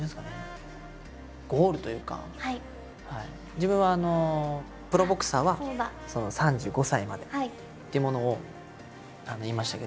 自分はプロボクサーは３５歳までっていうものを言いましたけ